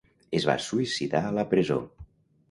Es va suïcidar a la presó.